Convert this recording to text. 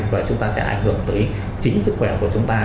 và chúng ta sẽ ảnh hưởng tới chính sức khỏe của chúng ta